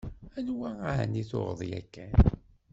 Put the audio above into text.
Anwa ɛni tuɣeḍ yakan?